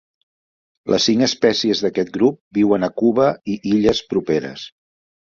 Les cinc espècies d'aquest grup viuen a Cuba i illes properes.